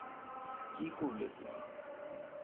কী করলে তুমি?